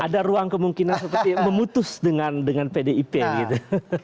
ada ruang kemungkinan seperti memutus dengan pdip gitu